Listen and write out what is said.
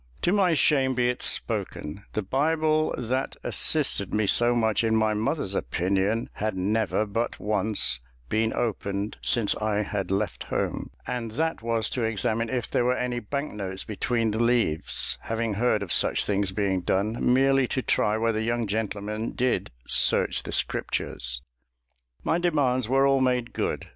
To my shame be it spoken, the Bible that assisted me so much in my mother's opinion, had never but once been opened since I had left home, and that was to examine if there were any bank notes between the leaves, having heard of such things being done, merely to try whether young gentlemen did "search the Scriptures." My demands were all made good.